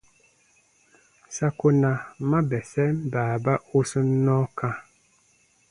Sa ko na ma bɛsɛn baaba u sun nɔɔ kã.